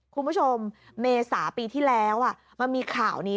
คุณผู้ชมเมษาปีที่แล้วมันมีข่าวนี้